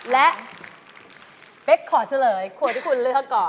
และเป๊กขอเฉลยขวดที่คุณเลือกก่อน